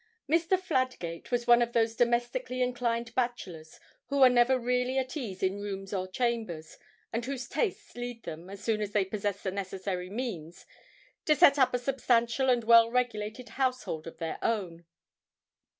Mr. Fladgate was one of those domestically inclined bachelors who are never really at ease in rooms or chambers, and whose tastes lead them, as soon as they possess the necessary means, to set up a substantial and well regulated household of their own.